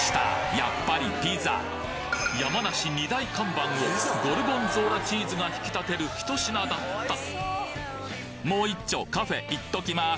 やっぱりピザ山梨２大看板をゴルゴンゾーラチーズが引き立てる一品だったもう一丁カフェいっときます！